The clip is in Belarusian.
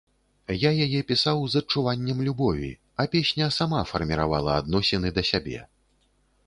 Я яе пісаў з адчуваннем любові, а песня сама фарміравала адносіны да сябе.